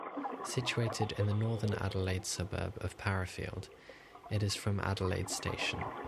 Situated in the northern Adelaide suburb of Parafield, It is from Adelaide station.